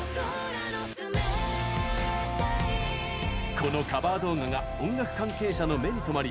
このカバー動画が音楽関係者の目に留まり